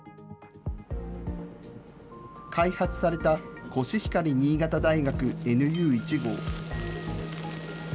開発されたコシヒカリ新潟大学ＮＵ１号。